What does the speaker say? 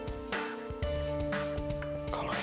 kalau emang mama tiringnya siapa lagi ya